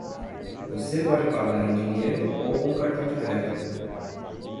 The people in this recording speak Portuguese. Você pode pagar em dinheiro ou com cartão de crédito.